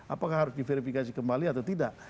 apakah harus diverifikasi kembali atau tidak